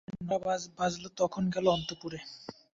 শোবার সময় ন-টা বাজল তখন গেল অন্তঃপুরে।